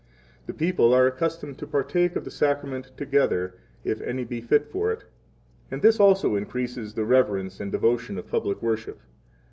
5 The people are accustomed to partake of the Sacrament together, if any be fit for it, and this also increases the reverence and devotion of public 6 worship.